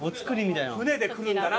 舟でくるんだな